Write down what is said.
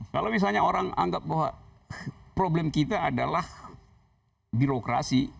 kalau misalnya orang anggap bahwa problem kita adalah birokrasi